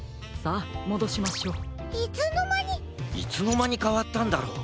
いつのまにかわったんだろう。